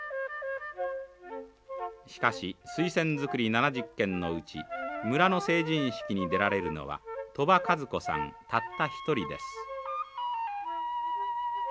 しかしスイセン作り７０軒のうち村の成人式に出られるのはトバカズコさんたった一人です。